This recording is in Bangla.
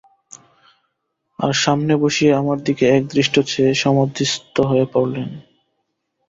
আর সামনে বসিয়ে আমার দিকে একদৃষ্ট চেয়ে সমাধিস্থ হয়ে পড়লেন।